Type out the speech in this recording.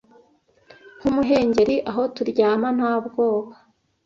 nkumuhengeri aho turyama nta bwoba